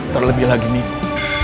terlebih lagi minggu